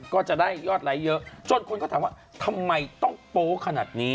ก็จะได้ยอดไลค์เยอะจนคนก็ถามว่าทำไมต้องโป๊ขนาดนี้